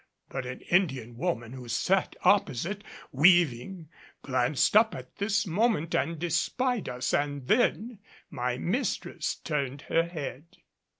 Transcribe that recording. But an Indian woman who sat opposite, weaving, glanced up at this moment and espied us; and then my mistress turned her head.